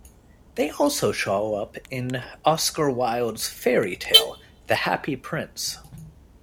They also show up in Oscar Wilde's fairy tale The Happy Prince.